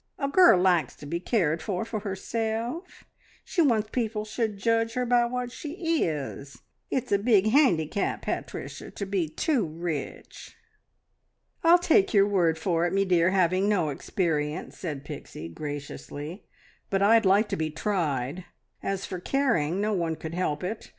A girl likes to be cared for for herself: she wants people should judge her by what she is. It's a big handicap, Pat ricia, to be too rich." "I'll take your word for it, me dear, having no experience," said Pixie graciously; "but I'd like to be tried. As for caring no one could help it.